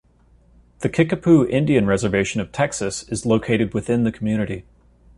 The Kickapoo Indian Reservation of Texas is located within the community.